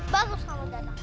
bagus kamu datang